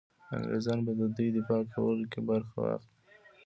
انګرېزان به د دوی دفاع کولو کې برخه واخلي.